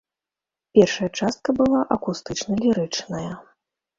Першая частка была акустычна-лірычная.